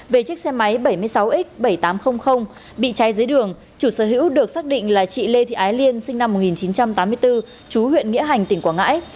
về chiếc xe máy bảy mươi sáu x bảy nghìn tám trăm linh bị cháy dưới đường chủ sở hữu được xác định là chị lê thị ái liên sinh năm một nghìn chín trăm tám mươi bốn chú huyện nghĩa hành tỉnh quảng ngãi